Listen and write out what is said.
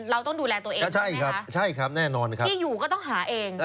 เราต้องดูแลตัวเองก็ใช่ครับใช่ครับแน่นอนครับที่อยู่ก็ต้องหาเอง